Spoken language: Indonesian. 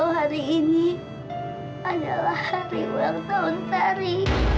hari ini adalah hari ulang tahun tari